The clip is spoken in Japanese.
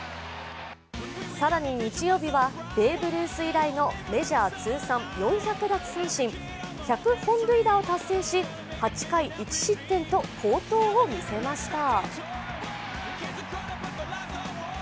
更に日曜日はベーブ・ルース以来のメジャー通算４００奪三振、１００本塁打を達成し８回１失点と好投を見せました。